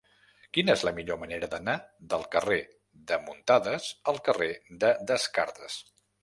Quina és la millor manera d'anar del carrer de Muntadas al carrer de Descartes?